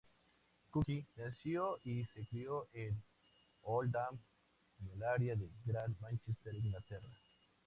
Cooke nació y se crió en Oldham, en el área de Gran Mánchester, Inglaterra.